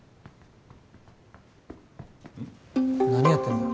何やってんだ？